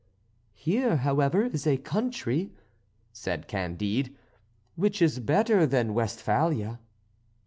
"Here, however, is a country," said Candide, "which is better than Westphalia."